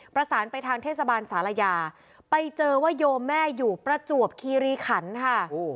ประสานไปทางเทศบาลศาลายาไปเจอว่าโยมแม่อยู่ประจวบคีรีขันค่ะ